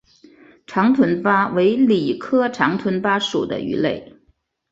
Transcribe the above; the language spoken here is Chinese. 长臀鲃为鲤科长臀鲃属的鱼类。